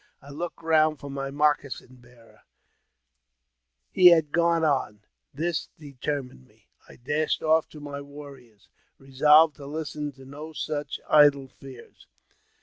I looked round for my moccasin bearer; he had 17 258 AUTOBIOGBAFHY OF gone on : this determined me ; I dashed off to my warrior resolved to listen to no such idle fears.